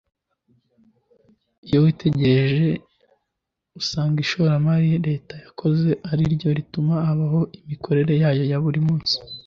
Ati" Iyo witegereje usanga ishoramari Leta yakozemo ari ryo rituma habaho imikorere yayo ya buri munsi